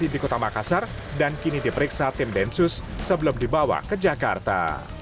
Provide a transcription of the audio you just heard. di kota makassar dan kini diperiksa tim densus sebelum dibawa ke jakarta